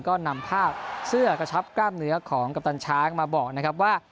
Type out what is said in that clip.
ก็นำภาพเสื้อกระชับกล้ามเนื้อของกัปตันช้างมาบอกนะครับว่า